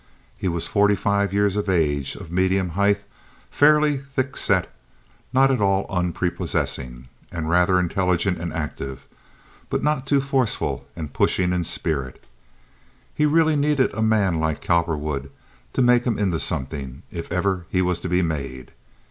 He was forty five years of age, of medium height, fairly thick set, not at all unprepossessing, and rather intelligent and active, but not too forceful and pushing in spirit. He really needed a man like Cowperwood to make him into something, if ever he was to be made.